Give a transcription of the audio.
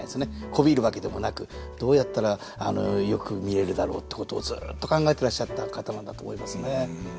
媚びるわけでもなくどうやったらよく見えるだろうってことをずっと考えてらっしゃった方なんだと思いますね。